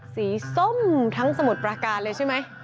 ส้มทั้งสมุทรปราการเลยใช่ไหม